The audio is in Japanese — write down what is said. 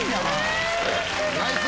ナイス！